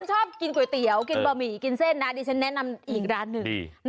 ชอบกินก๋วยเตี๋ยวกินบะหมี่กินเส้นนะดิฉันแนะนำอีกร้านหนึ่ง